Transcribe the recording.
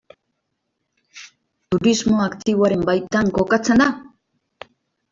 Turismo aktiboaren baitan kokatzen da?